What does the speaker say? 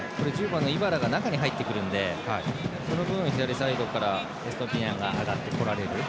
１０番のイバラが中に入ってくるのでその分、左サイドからエストゥピニャンが上がってこられる。